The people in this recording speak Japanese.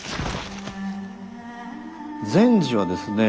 善児はですね